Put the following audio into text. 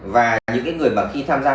và những người mà khi tham gia